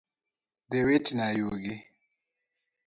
Dhi witna yugi